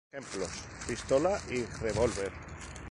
Ejemplos:Pistola y revólver.